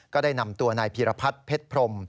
ก็ได้นำตัวนายพีรพัฒน์เพชรพรม